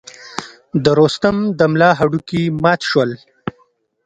د رستم د ملا هډوکي مات شول.